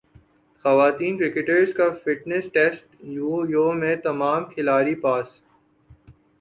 خواتین کرکٹرز کا fitness test yo yo میں تمام کھلاڑی پاس